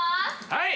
はい！